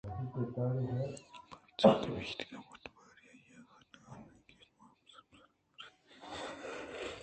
پرچاکہ میتگ ءَ پٹواری ءِ آہگ ءُڈگارانی کچ ءُماپ ءِ گپ مزنیں کارے اَت